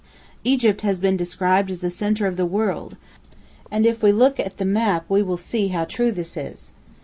Egypt has been described as the centre of the world, and if we look at the map we will see how true this is.